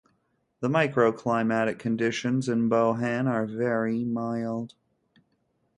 The micro-climatic conditions in Bohan are very mild.